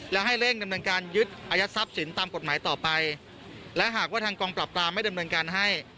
และให้เร่งดำเนินการยึดอายัดทรัพย์สินตามกฎหมายต่อไปและหากว่าทางกองปราบปรามไม่ดำเนินการให้